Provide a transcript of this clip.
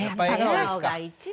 笑顔が一番。